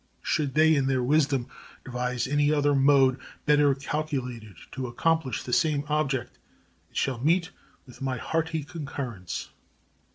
Should they in their wisdom devise any other mode better calculated to accomplish the same object, it shall meet with my hearty concurrence.